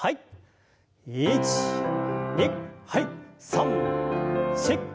３４。